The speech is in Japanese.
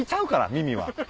耳は。